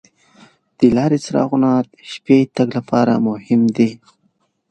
د لارې څراغونه د شپې تګ لپاره مهم دي.